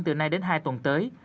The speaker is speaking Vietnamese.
từ nay đến hai tuần tới